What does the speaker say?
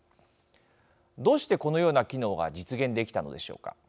どうしてこのような機能が実現できたのでしょうか。